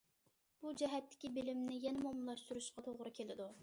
بۇ جەھەتتىكى بىلىمنى يەنىمۇ ئومۇملاشتۇرۇشقا توغرا كېلىدۇ.